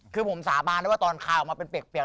คือผมสาบานได้ว่าตอนคาออกมาเป็นเปียก